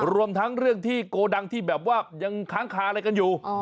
รวมทั้งเรื่องที่โกดังที่แบบว่ายังค้างคาอะไรกันอยู่